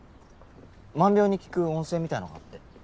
万病に効く温泉みたいなのがあって。